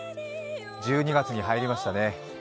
１２月に入りましたね。